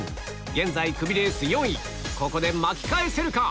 現在クビレース４位ここで巻き返せるか？